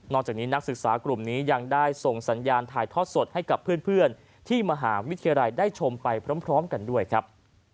จากนี้นักศึกษากลุ่มนี้ยังได้ส่งสัญญาณถ่ายทอดสดให้กับเพื่อนที่มหาวิทยาลัยได้ชมไปพร้อมกันด้วยครับ